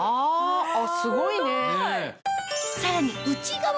あすごいね！